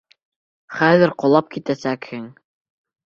Хәҙер ҡолап китәсәкһең!